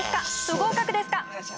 不合格ですか？